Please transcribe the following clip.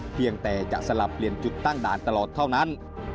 เพียงแต่จะสลับเปลี่ยนจุดตั้งด่านตลอดเท่านั้น